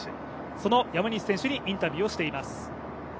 その山西選手にインタビューをしています。